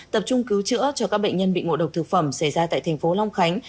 tập trung cứu chữa cho các bệnh nhân bị ngộ độc thực phẩm xảy ra tại tp long khánh